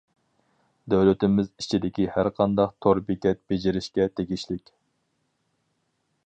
دۆلىتىمىز ئىچىدىكى ھەر قانداق تور بېكەت بېجىرىشكە تېگىشلىك.